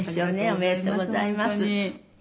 おめでとうございます」